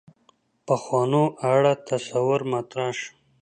پخوانو اړه تصور مطرح شو.